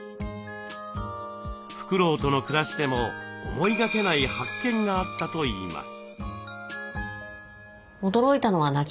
フクロウとの暮らしでも思いがけない発見があったといいます。